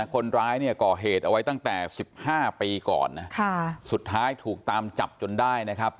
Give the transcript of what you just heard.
คนร้ายเนี่ยก่อเหตุเอาไว้ตั้งแต่๑๕ปีก่อนนะสุดท้ายถูกตามจับจนได้นะครับ